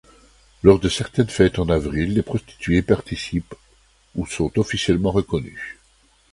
Lors de certaines fêtes en avril les prostituées participent ou sont officiellement reconnues.